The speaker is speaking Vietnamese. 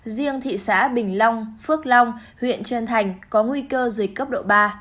riêng thị xã bình long phước long huyện trân thành có nguy cơ dịch cấp độ ba